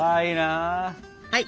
はい！